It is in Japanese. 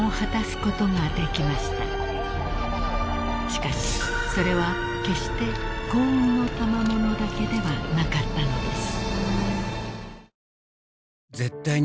［しかしそれは決して幸運のたまものだけではなかったのです］